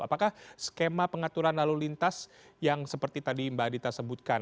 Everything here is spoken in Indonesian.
apakah skema pengaturan lalu lintas yang seperti tadi mbak adita sebutkan